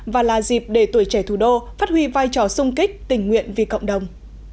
và là dịp để tuổi trẻ thủ đô phát huy vai trò sung kích tình nguyện vì cộng đồng